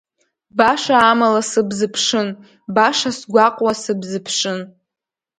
Баша амала сыбзыԥшын, баша сгәаҟуа сыбзыԥшын.